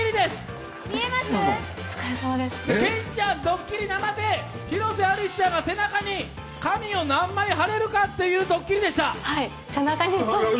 健ちゃん、ドッキリ生で、広瀬さんが背中に何枚紙を貼れるかというドッキリでした。